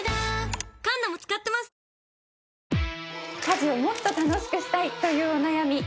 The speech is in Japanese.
家事をもっと楽しくしたいというお悩み